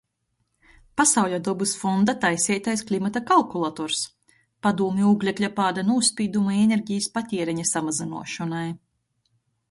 Pasauļa dobys fonda taiseitais klimata kalkulators. Padūmi ūglekļa pāda nūspīduma i energejis patiereņa samazynuošonai.